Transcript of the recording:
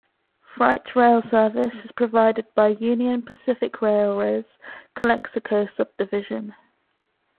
Freight rail service is provided by Union Pacific Railroad's Calexico Subdivision.